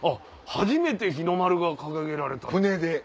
初めて日の丸が掲げられたって。